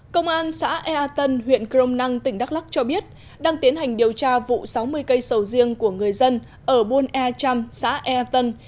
công an xã ea tân huyện crom năng tỉnh đắk lắc cho biết đang tiến hành điều tra vụ sáu mươi cây sầu riêng của người dân ở buôn e trăm xã ea tân